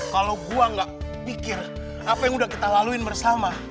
kalau gua gak pikir apa yang udah kita laluin bersama